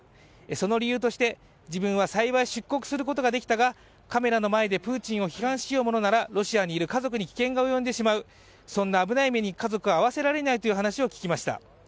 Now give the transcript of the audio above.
その理由として、自分は幸い出国することができたが、カメラの前でプーチンを批判しようものならロシアにいる家族に危険が及んでしまうそんな危ない目に家族を遭わせられないということを聞きました。